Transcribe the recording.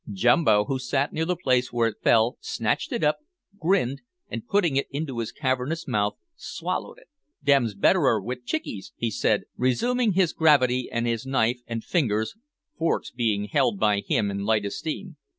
Jumbo, who sat near the place where it fell, snatched it up, grinned, and putting it into his cavernous mouth, swallowed it. "Dem's betterer wid chickies," he said, resuming his gravity and his knife and fingers, forks being held by him in light esteem.